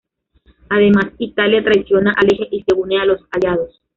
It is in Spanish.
Además, Italia traiciona al Eje y se une los aliados.